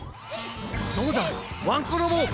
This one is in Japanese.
そうだワンコロボ！